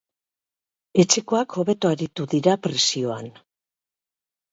Etxekoak hobeto aritu dira presioan.